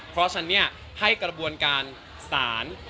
เพราะฉะนั้นให้กระบวนการศาล